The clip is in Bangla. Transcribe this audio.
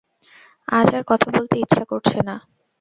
আজ আর কথা বলতে ইচ্ছা করছে না।